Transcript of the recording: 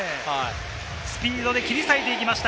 スピードで切り裂いて行きました。